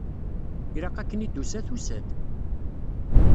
Ilaq akken i d-tusa, tusa-d.